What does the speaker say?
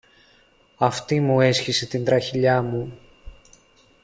Αυτή μου έσχισε την τραχηλιά μου!